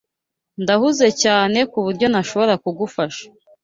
Ndahuze cyane kuburyo ntashobora kugufasha.